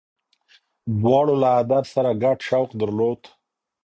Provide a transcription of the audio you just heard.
دواړو له ادب سره ګډ شوق درلود.